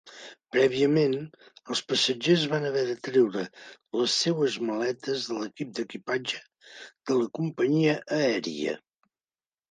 Prèviament, els passatgers van haver de treure les seues maletes de l'equip d'equipatge de la companyia aèria.